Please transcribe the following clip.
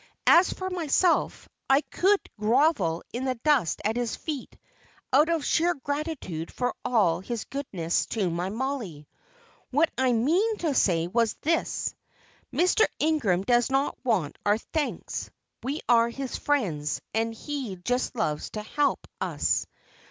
As for myself, I could grovel in the dust at his feet, out of sheer gratitude for all his goodness to my Mollie. What I meant to say was this: Mr. Ingram does not want our thanks. We are his friends, and he just loves to help us.